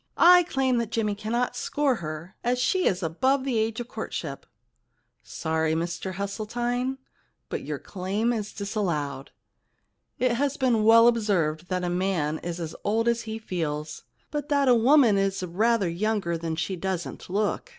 I claim that Jimmy cannot score her, as she is above the age of courtship.' * Sorry, Mr Hesseltine, but your claim is disallowed. It has been well observed that a man is as old as he feels, but that a woman is rather younger than she doesn't look.